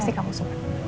pasti kamu suka